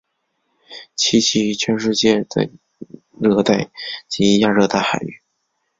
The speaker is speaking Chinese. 栖息于全世界的热带及亚热带海域。